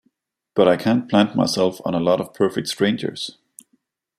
But I can't plant myself on a lot of perfect strangers.